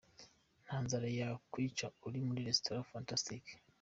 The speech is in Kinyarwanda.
Nta nzara yakwica uri muri Resitora Fantastic.